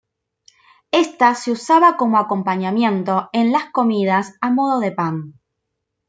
Ésta se usaba como acompañamiento en las comidas a modo de pan.